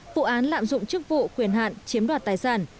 vụ án lạm dụng chức vụ quyền hạn chiếm đoạt tài sản